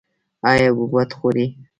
ایا حبوبات خورئ؟